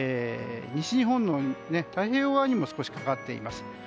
西日本の太平洋側にも少しかかっています。